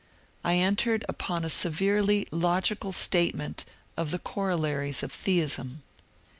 I entered upon a severely logical statement of the co rollaries of theism.